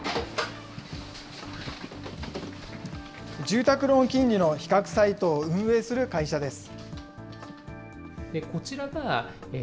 住宅ローン金利の比較サイトを運営する会社です。